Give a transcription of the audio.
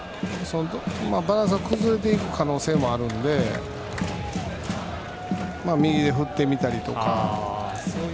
バランスが崩れている可能性もあるので右で振ってみたりとか。